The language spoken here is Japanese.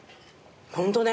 ホントね。